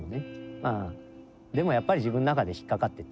まあでもやっぱり自分の中で引っ掛かってて。